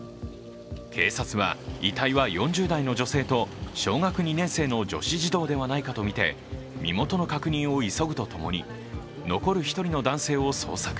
警察は、遺体は４０代の女性と、小学２年生の女子児童ではないかとみて身元の確認を急ぐとともに、残る１人の男性を捜索。